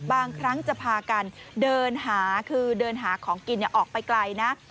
บางครั้งจะพากันเดินหาคือเดินหาของกินออกไปไกลนะ